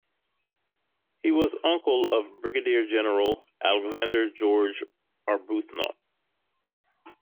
He was uncle of Brigadier-general Alexander George Arbuthnot.